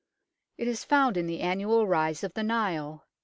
It is found in the annual rise of the Nile.